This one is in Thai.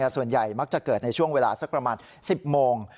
ส่วนใหญ่มักจะเกิดในช่วงเวลาสักประมาณ๑๐โมง